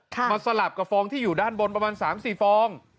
สลับกับฟองที่อยู่ด้านบนประมาณ๓๔ฟอง